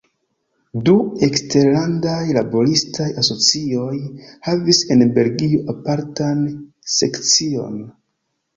Du eksterlandaj laboristaj asocioj havis en Belgio apartan sekcion.